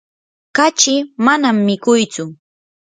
kachi manam mikuytsu.